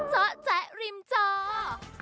เจาะแจ๊ะริมจอ